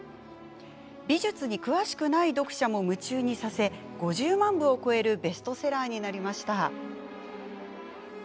美術に詳しくない読者も夢中にさせ５０万部を超えるベストセラーになりました。